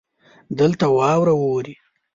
دلته واوره اوري.